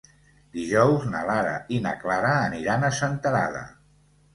Dijous na Lara i na Clara aniran a Senterada.